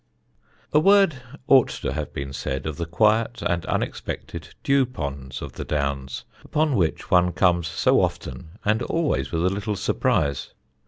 A word ought to have been said of the quiet and unexpected dew ponds of the Downs, upon which one comes so often and always with a little surprise.